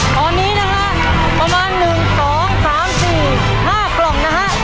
ตอนนี้นะฮะประมาณ๑๒๓๔๕กล่องนะฮะ